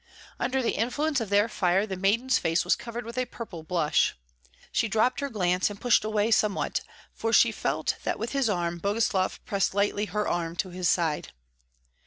Under the influence of their fire the maiden's face was covered with a purple blush. She dropped her glance and pushed away somewhat, for she felt that with his arm Boguslav pressed lightly her arm to his side.